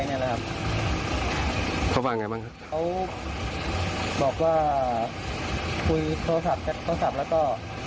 เขาบางอย่างไรบ้างเขาบอกว่าคุยโทรศัพท์กักทอสับแล้วก็